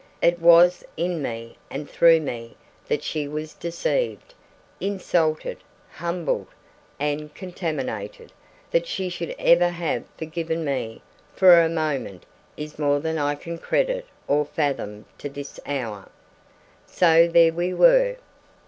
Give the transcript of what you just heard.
It was in me and through me that she was deceived, insulted, humbled, and contaminated; that she should ever have forgiven me for a moment is more than I can credit or fathom to this hour... So there we were.